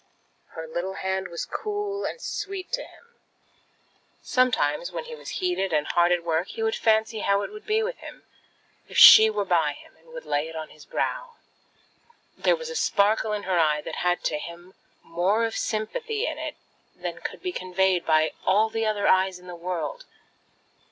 Her little hand was cool and sweet to him. Sometimes when he was heated and hard at work, he would fancy how it would be with him if she were by him, and would lay it on his brow. There was a sparkle in her eye that had to him more of sympathy in it than could be conveyed by all the other eyes in the world.